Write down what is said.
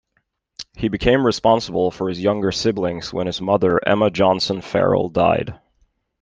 He became responsible for his younger siblings when his mother Emma Johnson Farrell died.